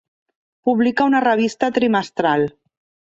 Publica una revista trimestral.